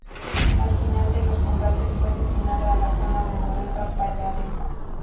Al final de los combates fue destinada a la zona del Noguera Pallaresa.